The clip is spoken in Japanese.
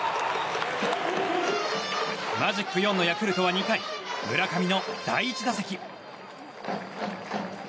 マジック４のヤクルトは２回村上の第１打席。